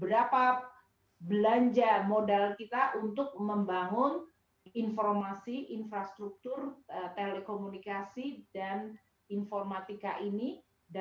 berapa belanja modal kita untuk membangun informasi infrastruktur telekomunikasi dan informatika ini